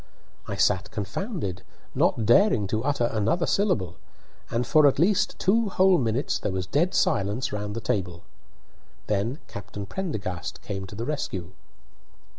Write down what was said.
I sat confounded, not daring to utter another syllable, and for at least two whole minutes there was dead silence round the table. Then Captain Prendergast came to the rescue.